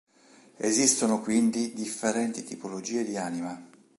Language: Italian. Esistono quindi differenti tipologie di anima.